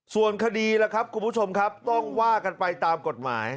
ส่วนคดีล่ะครับคุณผู้ชมครับต้องว่ากันไปตามกฎหมาย